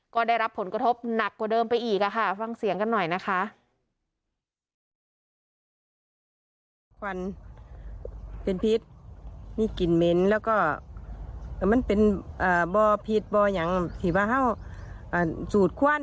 ก็ได้รับผลกระทบหนักกว่าเดิมไปอีกค่ะฟังเสียงกันหน่อยนะคะ